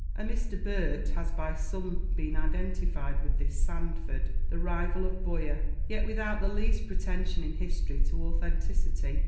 A Mr. Burt has by some been identified with this "Sanford," the rival of "Boyer," yet without the least pretension in history to authenticity.